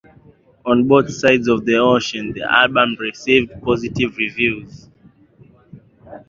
On both sides of the ocean the album received positive reviews.